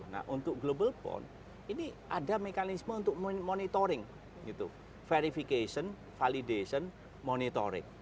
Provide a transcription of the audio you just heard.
nah untuk global pond ini ada mekanisme untuk monitoring verification validation monitoring